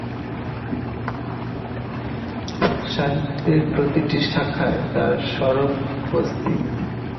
সাহিত্যের প্রতিটি শাখায় তার সরব উপস্থিতি।